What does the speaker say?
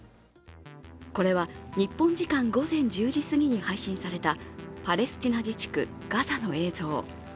これは、日本時間午前１０時すぎに配信されたパレスチナ自治区ガザの映像。